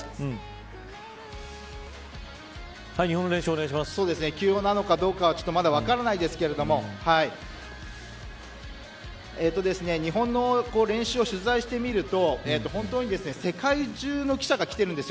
日本の練習なんかを取材していると休養なのかまだ分からないですけど日本の練習を取材してみると本当に世界中の記者が来ているんです。